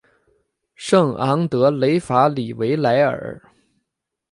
圣昂德雷法里维莱尔。